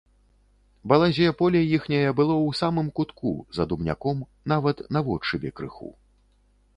Балазе поле іхняе было ў самым кутку, за дубняком, нават наводшыбе крыху.